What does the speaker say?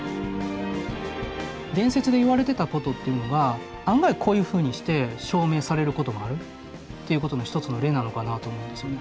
伝説でいわれてたことっていうのが案外こういうふうにして証明されることがあるっていうことの一つの例なのかなと思うんですよね。